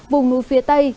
vùng núi phía tây